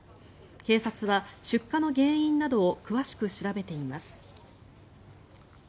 警察は出火の原因などを詳しく調べています。